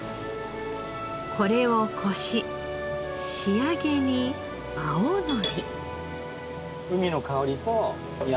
これをこし仕上げに青のり。